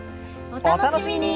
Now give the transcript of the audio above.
お楽しみに！